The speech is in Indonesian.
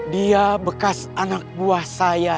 dia bekas anak buah saya